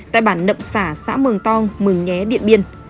tại bản nậm xả xã mường tong mường nhé điện biên